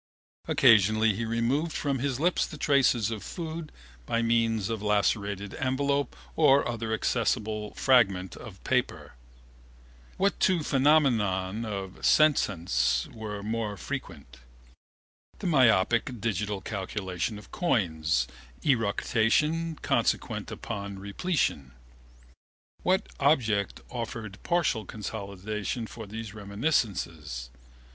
Occasionally he removed from his lips the traces of food by means of a lacerated envelope or other accessible fragment of paper. What two phenomena of senescence were more frequent? The myopic digital calculation of coins, eructation consequent upon repletion. What object offered partial consolation for these reminiscences?